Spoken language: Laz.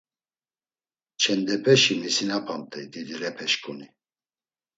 Çendepeşi misinapamt̆ey didilepeşǩuni.